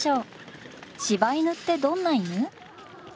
柴犬ってどんな犬？